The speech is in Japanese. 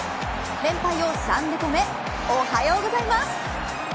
連敗を３で止めおはようございます。